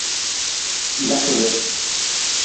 Dafude.